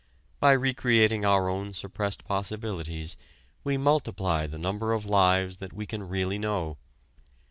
By re creating our own suppressed possibilities we multiply the number of lives that we can really know.